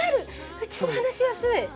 うちも話しやすい。